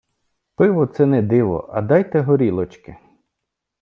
Пиво це не диво, а дайте горілочки.